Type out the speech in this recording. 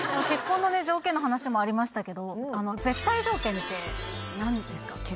結婚のね条件の話もありましたけど絶対条件って何ですか？